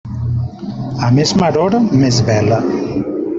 A més maror, més vela.